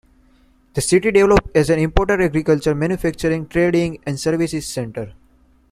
The city developed as an important agricultural, manufacturing, trading and services centre.